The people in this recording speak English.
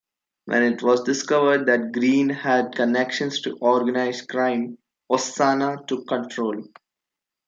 When it was discovered that Green had connections to organized crime, Ossanna took control.